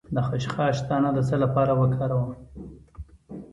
د خشخاش دانه د څه لپاره وکاروم؟